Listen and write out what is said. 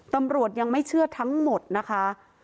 ตำรวจยังไม่เชื่อทั้งหมดนะคะ